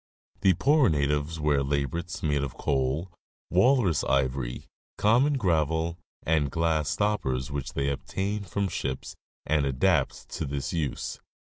The poorer natives wear labrets made of coal, walrus ivory, common gravel, and glass stoppers which they obtain from ships and adapt to this use.